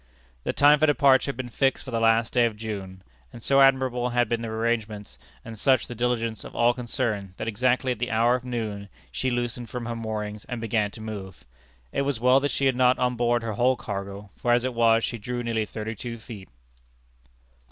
The time for departure had been fixed for the last day of June, and so admirable had been the arrangements, and such the diligence of all concerned, that exactly at the hour of noon, she loosened from her moorings, and began to move. It was well that she had not on board her whole cargo; for as it was, she drew nearly thirty two feet.